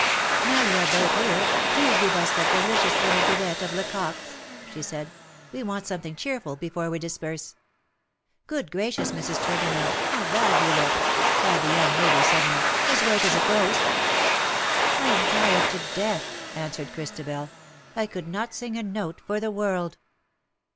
" Now you are both here^ do give us that delicious little duet of Lecocq^s/' she said :" we want some thing cheerful before we disperse. Good gracious Mrs. Tregonell, how bad you look/^ cried the young lady, suddenly_, " as white as a ghost.^' " I am tired to death/^ answered Christabel, " I could not sing a note for the world.